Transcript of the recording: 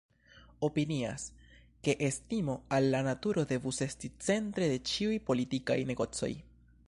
Opinias, ke estimo al la naturo devus esti centre de ĉiuj politikaj negocoj.